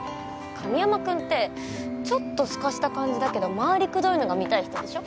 神山君ってちょっとすかした感じだけど回りくどいのが見たい人でしょ？